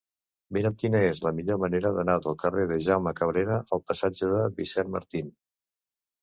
Mira'm quina és la millor manera d'anar del carrer de Jaume Cabrera al passatge de Vicent Martín.